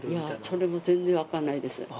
それも全然分かんないです。